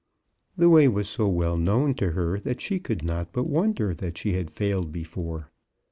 The way was so well known to her that she could not but won der that she had failed before.